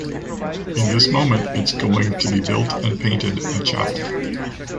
In this moment, it’s going to be built and painted a chapel.